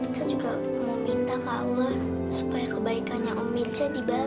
sita juga mau minta ke allah supaya kebaikannya om mirza dibalas